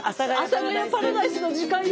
阿佐ヶ谷パラダイスの時間よ。